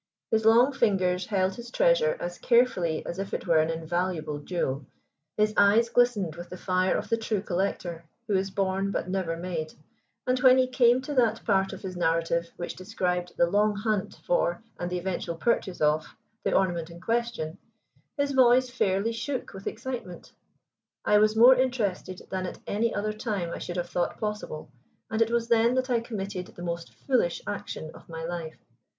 His long fingers held his treasure as carefully as if it were an invaluable jewel, his eyes glistened with the fire of the true collector, who is born but never made, and when he came to that part of his narrative which described the long hunt for, and the eventual purchase of, the ornament in question, his voice fairly shook with excitement. I was more interested than at any other time I should have thought possible, and it was then that I committed the most foolish action of my life.